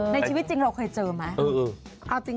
แล้วชีวิตเราเคยเจอไหม